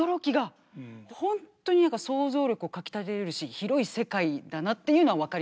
本当に何か想像力をかきたてられるし広い世界だなっていうのは分かりました。